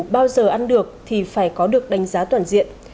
bao giờ ăn được thì phải có được đánh giá toàn diện